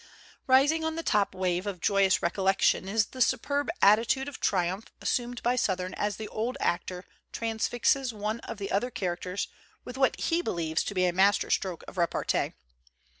Rising on the top wave of joyous recollection is the superb attitude of tri umph assumed by Sothern as the old actor transfixes one of the other characters with what he believes to be a master stroke of repartee.